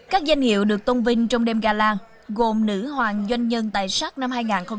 các doanh nghiệp được tôn vinh trong đêm gala gồm nữ hoàng doanh nhân tài sắc năm hai nghìn hai mươi